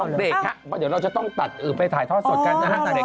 เอาเบรกครับเดี๋ยวเราจะต้องตัดไปถ่ายทอดสดกัน